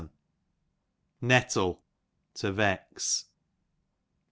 81 Nettle, to vex.